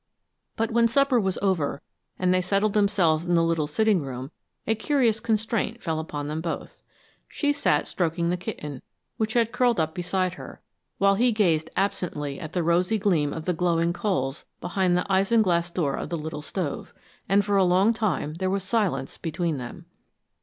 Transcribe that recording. But when supper was over, and they settled themselves in the little sitting room, a curious constraint fell upon them both. She sat stroking the kitten, which had curled up beside her, while he gazed absently at the rosy gleam of the glowing coals behind the isinglass door of the little stove, and for a long time there was silence between them.